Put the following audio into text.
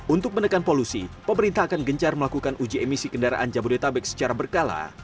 untuk menekan polusi pemerintah akan gencar melakukan uji emisi kendaraan jabodetabek secara berkala